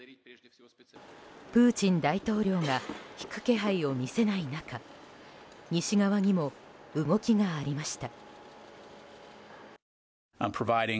プーチン大統領が引く気配を見せない中西側にも動きがありました。